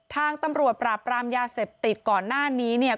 ทางตำรวจปราบรามยาเสพติดก่อนหน้านี้เนี่ย